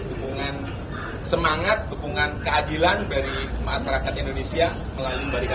dukungan semangat dukungan keadilan dari masyarakat indonesia melalui barikada sembilan puluh delapan